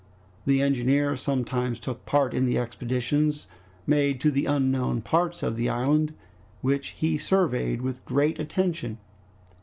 The engineer sometimes took part in the expeditions made to the unknown parts of the island, which he surveyed with great attention.